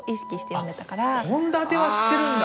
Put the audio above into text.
「献立」は知ってるんだ！